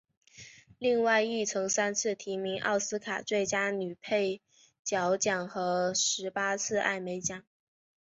另外亦曾三次提名奥斯卡最佳女配角奖和十八次艾美奖。